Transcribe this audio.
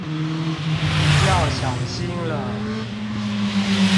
要小心了